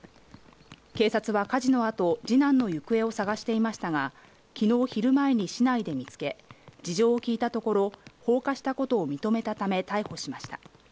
警察は火事の後、次男の行方を捜していましたが、昨日昼前に市内で見つけ、事情を聞いたところ、放火したことを認めたため逮捕しました。